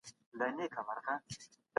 کمپيوټر وخت اټکلوي.